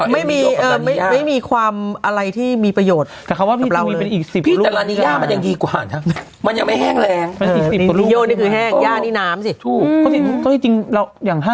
ไม่มีเอ่อไม่มีความอะไรที่มีประโยชน์กับเราเลย